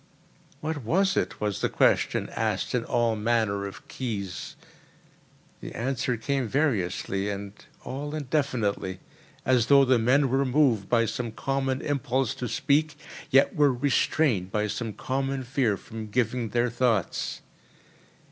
"What was it?" was the question, asked in all manner of keys. The answer came variously and all indefinitely as though the men were moved by some common impulse to speak, yet were restrained by some common fear from giving their thoughts.